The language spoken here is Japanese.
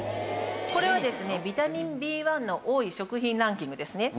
これはですねビタミンＢ１の多い食品ランキングですね。